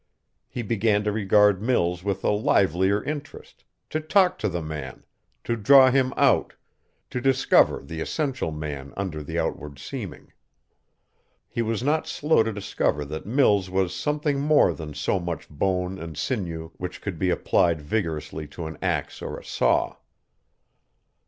He began to regard Mills with a livelier interest, to talk to the man, to draw him out, to discover the essential man under the outward seeming. He was not slow to discover that Mills was something more than so much bone and sinew which could be applied vigorously to an axe or a saw.